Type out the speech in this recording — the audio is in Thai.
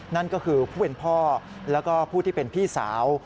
นั่นก็คือผู้เป็นพ่อแล้วก็ผู้ที่เป็นพี่สาว